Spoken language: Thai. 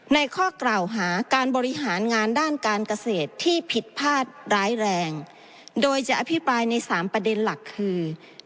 ข้อกล่าวหาการบริหารงานด้านการเกษตรที่ผิดพลาดร้ายแรงโดยจะอภิปรายในสามประเด็นหลักคือ